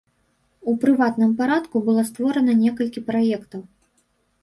У прыватным парадку было створана некалькі праектаў.